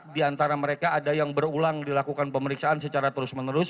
di antara mereka ada yang berulang dilakukan pemeriksaan secara terus menerus